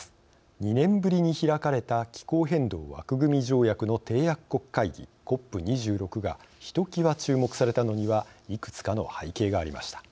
２年ぶりに開かれた気候変動枠組条約の締約国会議ＣＯＰ２６がひときわ注目されたのにはいくつかの背景がありました。